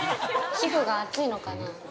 ◆皮膚が厚いのかな。